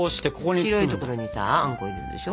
白い所にさあんこ入れるでしょ。